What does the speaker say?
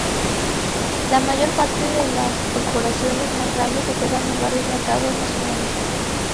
La mayor parte de las corporaciones más grandes operan en varios mercados nacionales.